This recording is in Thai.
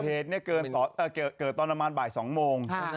เหตุเนี้ยเกินตอนเอ่อเกิดเกินตอนประมาณบ่ายสองโมงฮะ